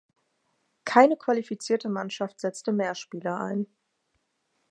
Keine qualifizierte Mannschaft setzte mehr spieler ein.